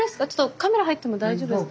カメラ入っても大丈夫ですか？